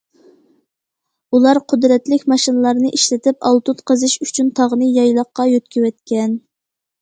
ئۇلار قۇدرەتلىك ماشىنىلارنى ئىشلىتىپ ئالتۇن قېزىش ئۈچۈن تاغنى يايلاققا يۆتكىۋەتكەن.